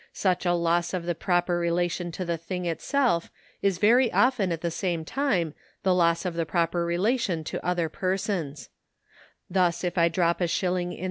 Such a loss of the proper relation to the thing itself is very often at the same time the loss of the proper relation to other persons.